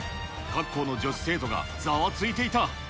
各校の女子生徒がざわついていた。